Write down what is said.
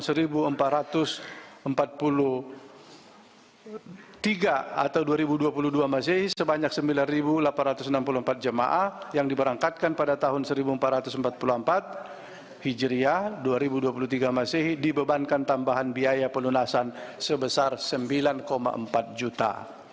rp satu empat ratus empat puluh tiga atau dua ribu dua puluh dua mazi sebanyak sembilan delapan ratus enam puluh empat jemaah yang diberangkatkan pada tahun seribu empat ratus empat puluh empat hijriah dua ribu dua puluh tiga masih dibebankan tambahan biaya pelunasan sebesar rp sembilan empat juta